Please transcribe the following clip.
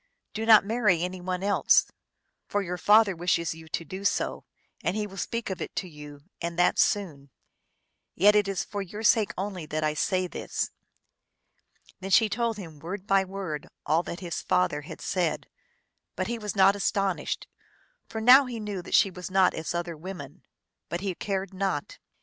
Do not marry any one else. For your father wishes you to do so, and he will speak of it to you, and that soon. Yet it is for your sake only that I say this." Then she told him word by word all that his father had said; but he was not astonished, for now he knew that she was not as other women ; but he cared not.